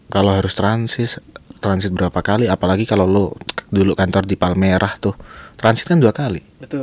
kalau harus transit transit berapa kali apalagi kalau lo dulu kantor di palmerah tuh transit kan dua kali